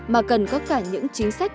mà cần có cả những chính sách